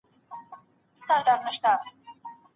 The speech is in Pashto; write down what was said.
ګیله به نه کړو له پردو خپلو